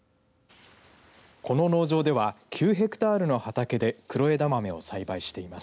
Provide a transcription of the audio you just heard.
この農場では９ヘクタールの畑で黒枝豆を栽培しています。